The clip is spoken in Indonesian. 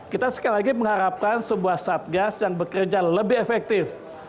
kita sekali lagi mengharapkan sebuah satgas yang bekerja lebih efektif